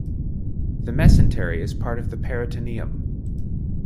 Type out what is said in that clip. The mesentery is part of the peritoneum.